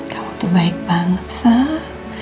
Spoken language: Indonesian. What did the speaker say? kamu tuh baik banget sah